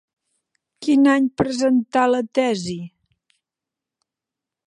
Quin any presentà la tesi?